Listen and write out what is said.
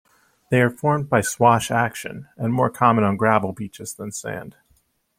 They are formed by swash action and more common on gravel beaches than sand.